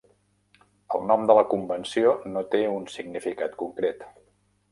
El nom de la convenció no té un significat concret.